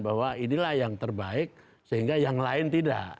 bahwa inilah yang terbaik sehingga yang lain tidak